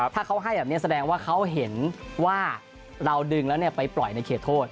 ถ้าเขาให้แบบนี้แสดงว่าเขาเห็นว่าเราดึงแล้วไปปล่อยในเขตโทษ